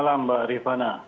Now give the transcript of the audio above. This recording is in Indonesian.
selamat malam pak rifana